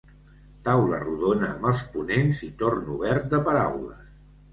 Taula rodona amb els ponents i torn obert de paraules.